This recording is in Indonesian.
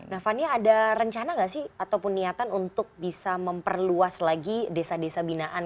nah fania ada rencana nggak sih ataupun niatan untuk bisa memperluas lagi desa desa binaan